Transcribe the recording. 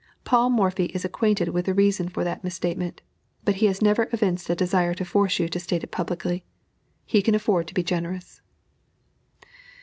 Paul Morphy is acquainted with the reason for that misstatement, but he has never evinced a desire to force you to state it publicly. He can afford to be generous."